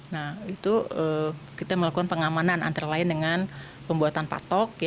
nah itu kita melakukan pengamanan antara lain dengan pembuatan patok